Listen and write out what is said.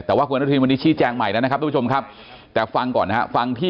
ถ้าว่ากิคุณอนุทินพูดคันแรกไว้ก่อนนะครับ